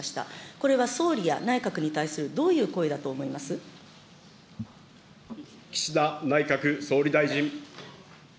これは総理や内閣に対するどうい岸田内閣総理大臣。